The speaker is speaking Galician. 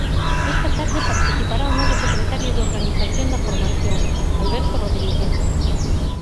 Esta tarde participará o novo secretario de organización da formación, Alberto Rodríguez.